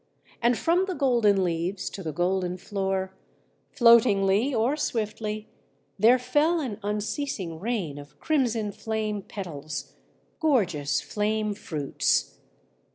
And from the golden leaves to the golden floor, floatingly or swiftly, there fell an unceasing rain of crimson flame petals, gorgeous flame fruits.